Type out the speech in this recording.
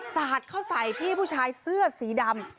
สาดเข้าใส่พี่ผู้ชายเสื้อสีดำ